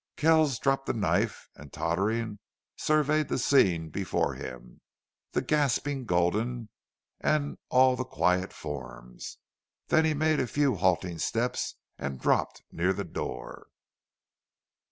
Kells dropped the knife, and, tottering, surveyed the scene before him the gasping Gulden, and all the quiet forms. Then he made a few halting steps, and dropped near the door.